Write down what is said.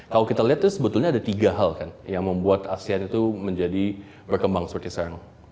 kalau kita lihat itu sebetulnya ada tiga hal kan yang membuat asean itu menjadi berkembang seperti sekarang